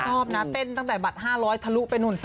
ชอบนะเต้นตั้งแต่บัตร๕๐๐ทะลุไปนู่น๓๐